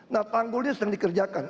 nah tanggulnya sedang dikerjakan